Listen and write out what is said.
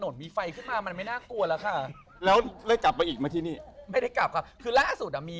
ได้เข้าไหม